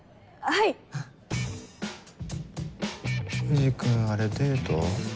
藤君あれデート？